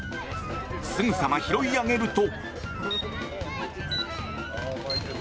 すぐさま拾い上げると。